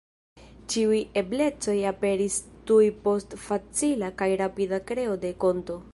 Ĉiuj eblecoj aperis tuj post facila kaj rapida kreo de konto.